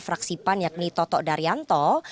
fraksi pan yakni toto daryanto